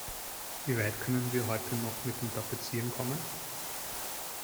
Wie weit können wir heute noch mit dem Tapezieren kommen?